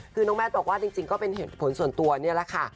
คือน้องแมทบอกว่าจริงก็เป็นเหตุผลส่วนตัวนี่แหละค่ะ